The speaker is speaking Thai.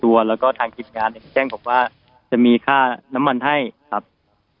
และไฟฟ้าแล้วก็ทางกิจงานแจ้งต้องค่าน้ำมันใหม่ให้